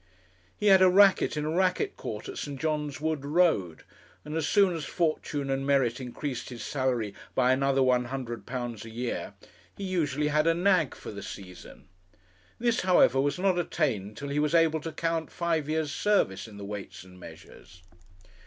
He had a racket in a racket court at St. John's Wood Road, and as soon as fortune and merit increased his salary by another £100 a year, he usually had a nag for the season. This, however, was not attained till he was able to count five years' service in the Weights and Measures.